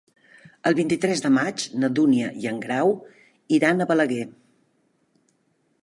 El vint-i-tres de maig na Dúnia i en Grau iran a Balaguer.